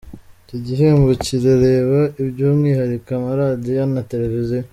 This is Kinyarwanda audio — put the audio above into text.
Iki gihembo kirareba by’umwihariko amaradiyo na Televiziyo.